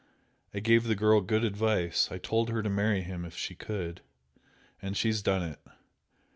I gave the girl good advice I told her to marry him if she could, and she's done it!